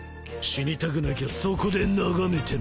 死にたくなきゃそこで眺めてな。